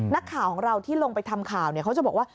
นักข่าวของเราที่ลงไปทำข่าวเขาจะบอกว่า